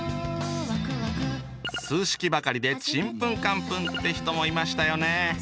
数式ばかりでちんぷんかんぷんって人もいましたよね？